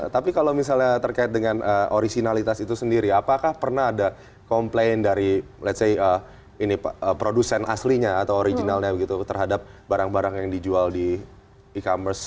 tapi kalau misalnya terkait dengan originalitas itu sendiri apakah pernah ada komplain dari ⁇ lets ⁇ say produsen aslinya atau originalnya begitu terhadap barang barang yang dijual di e commerce